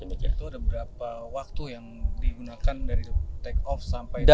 itu ada berapa waktu yang digunakan dari tick off sampai landing